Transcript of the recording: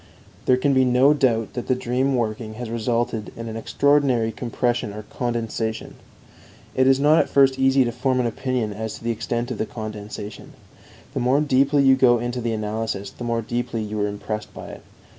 There can be no doubt that the dream working has resulted in an extraordinary compression or condensation. It is not at first easy to form an opinion as to the extent of the condensation; the more deeply you go into the analysis, the more deeply you are impressed by it.